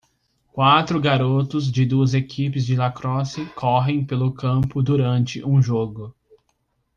Quatro garotos de duas equipes de lacrosse correm pelo campo durante um jogo.